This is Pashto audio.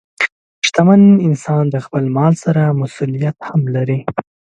شتمن انسان د خپل مال سره مسؤلیت هم لري.